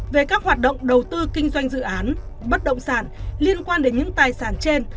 về các hoạt động đầu tư kinh doanh dự án bất động sản liên quan đến những tài sản trên